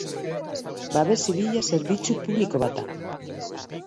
Babes Zibila zerbitzu publiko bat da.